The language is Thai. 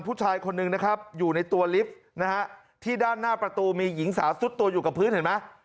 ผู้ชายคนหนึ่งนะครับอยู่ในตัวลิฟต์นะฮะที่ด้านหน้าประตูมีหญิงสาวซุดตัวอยู่กับพื้นเห็นไหม